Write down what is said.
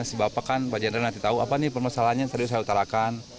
sebab apa kan pak jendral nanti tau apa nih permasalahannya serius saya utarakan